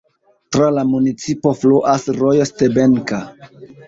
Tra la municipo fluas rojo Stebenka.